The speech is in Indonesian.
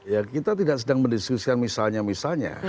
ya kita tidak sedang mendiskusikan misalnya misalnya